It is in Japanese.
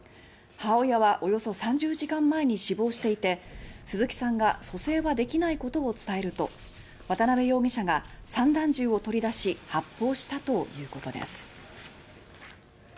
母親はおよそ３０時間前に死亡していて鈴木さんが蘇生はできないことを伝えると渡辺容疑者が散弾銃を取り出し発砲したということです。